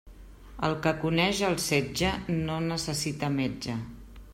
El que coneix el setge no necessita metge.